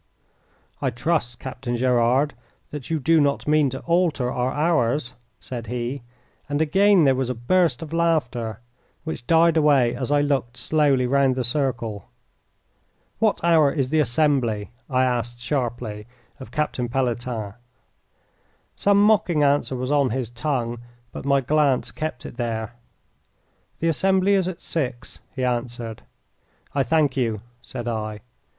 "I trust, Captain Gerard, that you do not mean to alter our hours," said he, and again there was a burst of laughter, which died away as I looked slowly round the circle. "What hour is the assembly?" I asked, sharply, of Captain Pelletan. Some mocking answer was on his tongue, but my glance kept it there. "The assembly is at six," he answered. "I thank you," said I.